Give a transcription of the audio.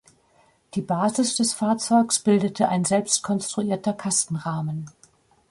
Die Basis des Fahrzeugs bildete ein selbst konstruierter Kastenrahmen.